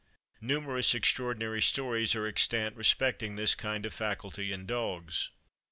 Numerous extraordinary stories are extant respecting this kind of faculty in dogs.